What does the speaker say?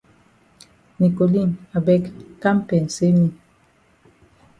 Nicoline I beg kam pensay me.